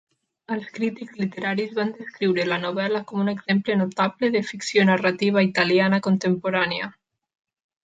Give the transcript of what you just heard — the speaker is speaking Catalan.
Els crítics literaris van descriure la novel·la com un exemple notable de ficció narrativa italiana contemporània.